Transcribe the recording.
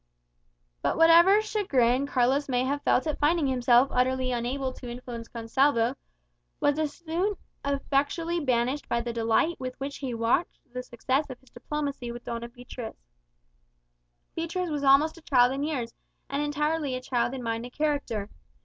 But whatever chagrin Carlos may have felt at finding himself utterly unable to influence Gonsalvo, was soon effectually banished by the delight with which he watched the success of his diplomacy with Doña Beatriz. Beatriz was almost a child in years, and entirely a child in mind and character.